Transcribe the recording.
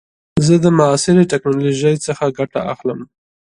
زه د معاصر ټکنالوژۍ څخه ګټه اخلم.